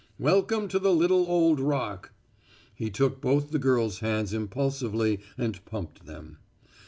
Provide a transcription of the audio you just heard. Welcome to the little old Rock!" He took both the girl's hands impulsively and pumped them.